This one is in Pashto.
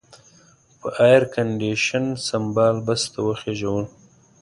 په ایرکنډېشن سمبال بس ته وخېژولو.